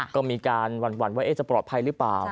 ก็มีการหวั่นว่าจะปลอดภัยหรือเปล่า